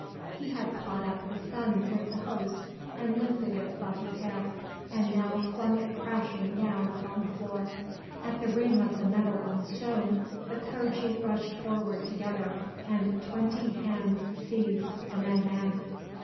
He had caught up the sun with the Host and lifted it above his head; and now flung it crashing down upon the floor. At the ring of the metal on stone the clergy rushed forward together, and twenty hands seized the madman.